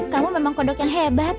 kamu memang kodok yang hebat